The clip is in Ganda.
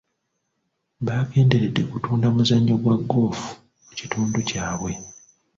Baagenderedde kutunda muzannyo gwa goofu mu kitundu kyabwe.